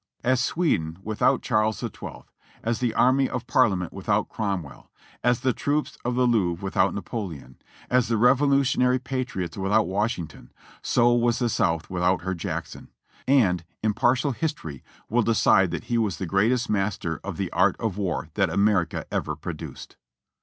As Sweden wdthout Charles XII ; as the army of Parliament without Cromw^ell ; as the troops of the Louvre without Napoleon ; as the Revolutionary Patriots without Washington — so was the South without her Jackson, and impartial history will decide that he was the greatest master of the art of war that America ever produced.